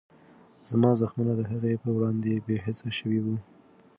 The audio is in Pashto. زما زخمونه د هغې په وړاندې بېحسه شوي وو.